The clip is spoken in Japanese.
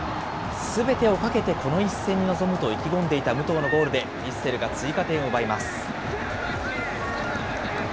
すべてをかけてこの一戦に臨むと意気込んでいた武藤のゴールで、ヴィッセルが追加点を奪います。